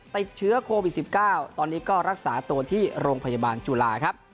ติดเชื้อโควิด๑๙ตอนนี้ก็รักษาตัวที่โรงพยาบาลจุฬาครับ